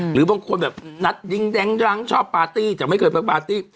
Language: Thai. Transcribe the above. หรือบางคนแบบนัดดิ้งรั้งชอบปาร์ตี้แต่ไม่เคยไปปาร์ตี้